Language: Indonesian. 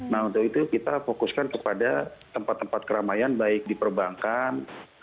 nah untuk itu kita fokuskan kepada tempat tempat keramaian baik di perbankan